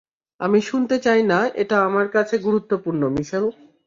আমি শুনতে চাই না, এটা আমার কাছে গুরুত্বপূর্ণ, মিশেল।